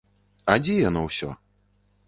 А дзе яно ўсё?